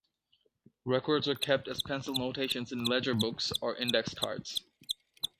Records were kept as pencil notations in ledger books or index cards.